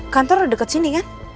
kantor udah dekat sini kan